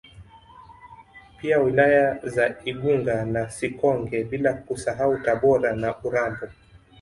Pia wilaya za Igunga na Sikonge bila kusahau Tabora na Urambo